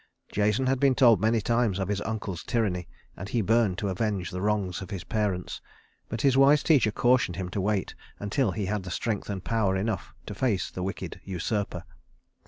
Jason had been told many times of his uncle's tyranny, and he burned to avenge the wrongs of his parents; but his wise teacher cautioned him to wait until he had strength and power enough to face the wicked usurper.